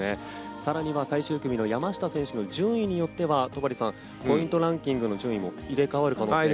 更には最終組の山下選手の順位によってはポイントランキングが入れ替わることも。